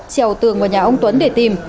trèo tường vào nhà ông tuấn để tìm